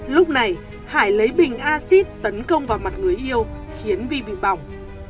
lúc này hải lấy bình axit tấn công vào mặt người yêu khiến vy bị bỏng